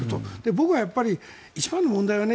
僕は一番の問題はね